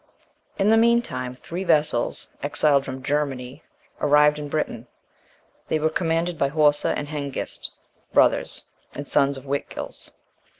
In the meantime, three vessels, exiled from Germany, arrived in Britain. They were commanded by Horsa and Hengist, brothers, and sons of Wihtgils.